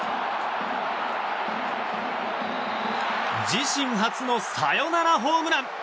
自身初のサヨナラホームラン！